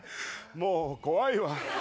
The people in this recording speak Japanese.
もう怖いわ。